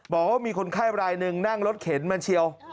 บอกว่ามีคนไข้รายหนึ่งนั่งรถเข็นมาเชียว